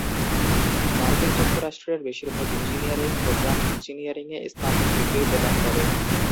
মার্কিন যুক্তরাষ্ট্রের বেশিরভাগ ইঞ্জিনিয়ারিং প্রোগ্রাম ইঞ্জিনিয়ারিংয়ে স্নাতক ডিগ্রি প্রদান করে।